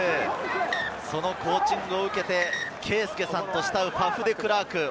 そのコーチングを受けて、敬介さんと慕うファフ・デクラーク。